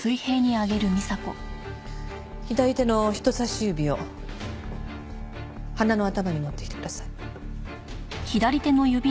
左手の人さし指を鼻の頭に持ってきてください。